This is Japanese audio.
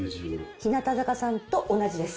日向坂さんと同じです。